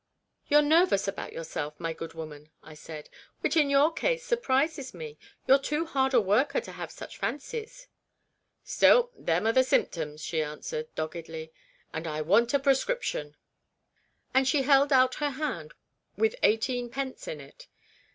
"You're nervous about yourself, my good woman," I said, " which in your case surprises me; you're too hard a worker to have such fancies." "Still, them are the symptoms," she answered, doggedly, " and I want a prescription." And she held out her hand, with eighteenpence in it.